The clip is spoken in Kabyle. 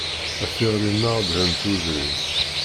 A tiɣri-nneɣ dhen tudrin.